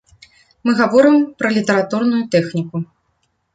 Мы гаворым пра літаратурную тэхніку.